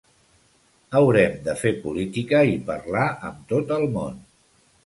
Haurem de fer política i parlar amb tot el món.